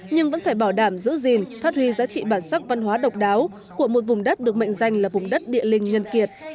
nhưng vẫn phải bảo đảm giữ gìn phát huy giá trị bản sắc văn hóa độc đáo của một vùng đất được mệnh danh là vùng đất địa linh nhân kiệt